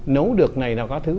nấu được này là có thứ